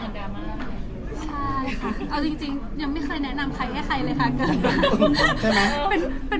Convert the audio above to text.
เป็นแม่สื่อที่ไม่ได้เลือกเลยค่ะ